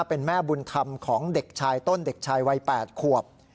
เป็นแม่บุญธรรมของเด็กชายต้นเด็กชายวัย๘ขวบ